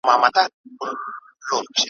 د بادار په حلواګانو وي خوشاله ,